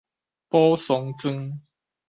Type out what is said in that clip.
寶桑莊